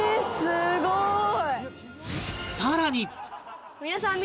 すごい！